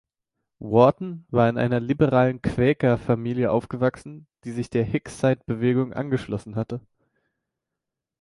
Wharton war in einer liberalen Quäker-Familie aufgewachsen, die sich der Hicksite-Bewegung angeschlossen hatte.